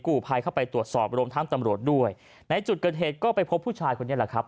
ภัยเข้าไปตรวจสอบรวมทั้งตำรวจด้วยในจุดเกิดเหตุก็ไปพบผู้ชายคนนี้แหละครับ